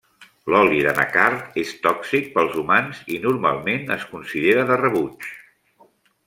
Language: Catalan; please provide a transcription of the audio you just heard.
L'oli d'anacard és tòxic pels humans i normalment es considera de rebuig.